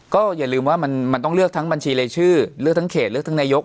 ก็อย่าลืมว่ามันต้องเลือกทั้งบัญชีรายชื่อเลือกทั้งเขตเลือกทั้งนายก